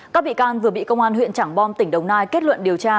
các bị can vừa bị công an huyện trảng bom tỉnh đồng nai kết luận điều tra